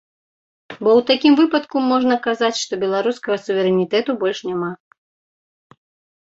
Бо ў такім выпадку можна казаць, што беларускага суверэнітэту больш няма.